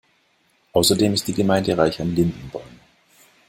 Außerdem ist die Gemeinde reich an Lindenbäumen.